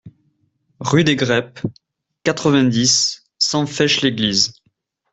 Rue des Greppes, quatre-vingt-dix, cent Fêche-l'Église